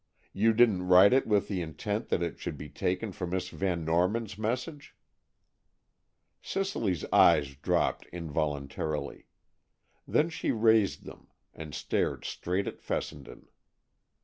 You didn't write it with the intent that it should be taken for Miss Van Norman's message?" Cicely eyes dropped involuntarily. Then she raised them, and stared straight at Fessenden.